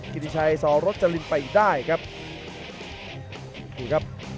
กิริชัยสรจริงไปได้ครับ